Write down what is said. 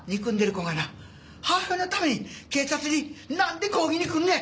子がな母親のために警察に何で抗議に来るねん！